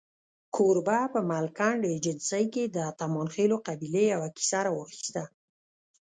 کوربه په ملکنډ ایجنسۍ کې د اتمانخېلو قبیلې یوه کیسه راواخسته.